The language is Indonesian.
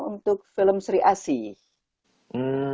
untuk film sri asih